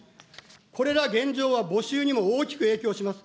これら現状は募集にも大きく影響します。